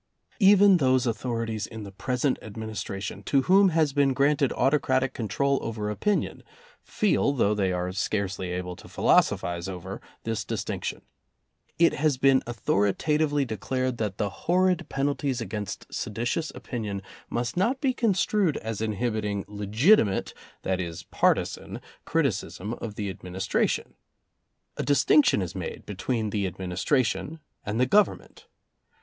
Even those authorities in the present Adminis tration, to whom has been granted autocratic con trol over opinion, feel, though they are scarcely able to philosophize over, this distinction. It has been authoritatively declared that the horrid penalties against seditious opinion must not be construed as inhibiting legitimate, that is, partisan criticism of the Administration. A distinction is made between the Administration and the Gov ernment.